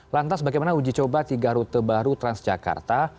lantas bagaimana uji coba tiga rute baru transjakarta